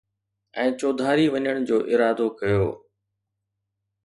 ۽ چوڌاري وڃڻ جو ارادو ڪيو